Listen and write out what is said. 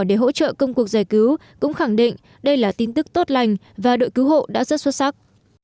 để hỗ trợ công cuộc giải cứu cũng khẳng định đây là tin tức tốt lành và đội cứu hộ đã rất xuất sắc